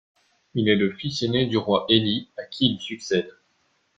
Il est le fils ainé du roi Heli à qui il succède.